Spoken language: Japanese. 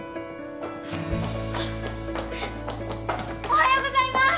おはようございます！